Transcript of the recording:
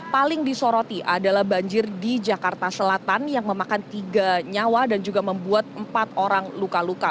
paling disoroti adalah banjir di jakarta selatan yang memakan tiga nyawa dan juga membuat empat orang luka luka